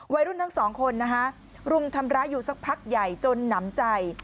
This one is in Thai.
วัยรุ่นทั้งสองคนนะคะรุมทำร้ายอยู่สักพักใหญ่จนหนำใจ